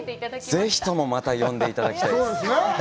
ぜひともまた呼んでいただきたいです。